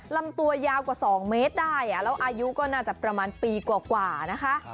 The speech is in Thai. ลำตัวยาวกว่า๒เมตรได้แล้วอายุก็น่าจะประมาณปีกว่านะคะ